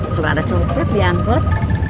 suka ada copot diangkut